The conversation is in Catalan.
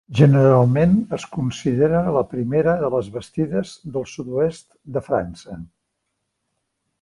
Generalment es considera la primera de les bastides del sud-oest de França.